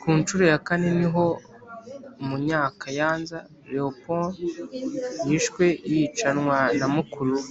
Ku ncuro ya kane ni ho Munyakayanza Leopold yishwe yicanwa na mukuru we